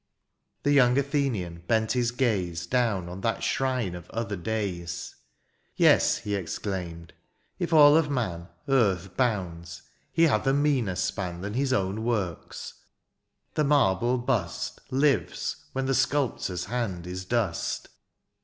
The young Athenian bent his gaze Down on that shrine of other days, —" Yes '/^ he exclaimed, ^^ if all of man ^^ Earth bounds, he hath a meaner span ^' Than his own works ;— ^the marble bust ^^ Lives when the sculptor's hand is dust.